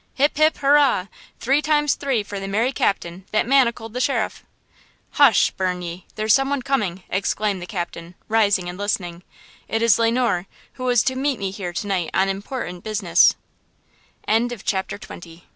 Hip, hip, hurrah! Three times three for the merry captain, that manacled the sheriff!" "Hush, burn ye! There's some one coming!" exclaimed the captain, rising and listening. "It is Le Noir, who was to meet me here to night on important business!" CHAPTER XXI.